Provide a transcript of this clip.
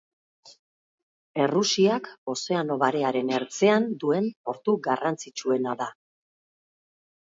Errusiak Ozeano Barearen ertzean duen portu garrantzitsuena da.